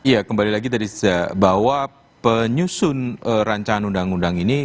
ya kembali lagi tadi bahwa penyusun rancangan undang undang ini